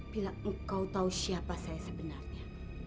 bilang engkau tahu siapa saya sebenarnya